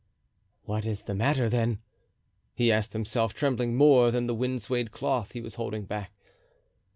"What is the matter, then?" he asked himself, trembling more than the wind swayed cloth he was holding back.